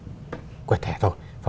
trong những cuộc sống tốt nhất